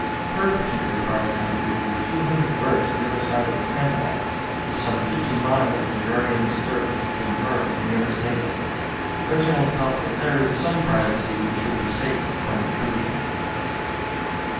Her particular part of the country was a few hundred versts the other side of Tamboff, with some fifteen miles of agrarian disturbance between her and the nearest neighbour. Reginald felt that there is some privacy which should be sacred from intrusion.